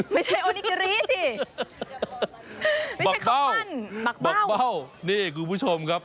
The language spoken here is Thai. ไม่ใช่โอนิกิริสิไม่ใช่ขับมั่นบักเบ้านี่คุณผู้ชมครับ